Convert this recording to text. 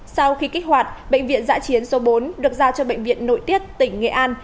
sau khi kích hoạt bệnh viện giã chiến số bốn được giao cho bệnh viện nội tiết tỉnh nghệ an